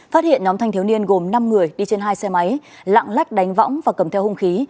phát hiện nhóm thanh thiếu niên gồm năm người đi trên hai xe máy lạng lách đánh võng và cầm theo hung khí